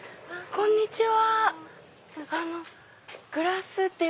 こんにちは。